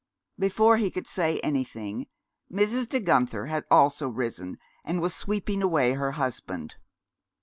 Before he could say anything, Mrs. De Guenther had also risen, and was sweeping away her husband.